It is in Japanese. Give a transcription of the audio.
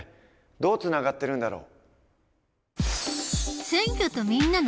どうつながってるんだろう？